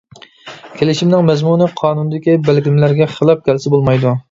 كېلىشىمنىڭ مەزمۇنى قانۇندىكى بەلگىلىمىلەرگە خىلاپ كەلسە بولمايدۇ.